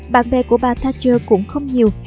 bạn bè của bà thatcher cũng không nhiều